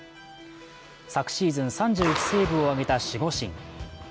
昨シーズン３１セーブを挙げた守護神。